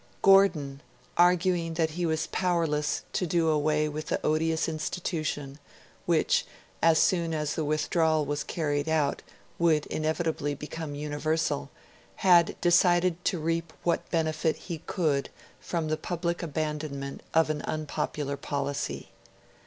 Gordon, arguing that he was powerless to do away with the odious institution, which, as soon as the withdrawal was carried out, would inevitably become universal, had decided to reap what benefit he could from the public abandonment of an unpopular policy.